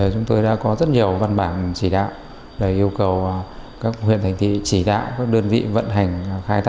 chúng tôi đã có rất nhiều văn bản chỉ đạo để yêu cầu các huyện thành thị chỉ đạo các đơn vị vận hành khai thác